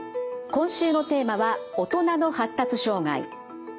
今週のテーマは大人の発達障害。